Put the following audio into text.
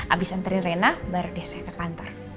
abis anterin reina baru deh saya ke kantor